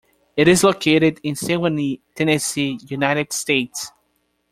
It is located in Sewanee, Tennessee, United States.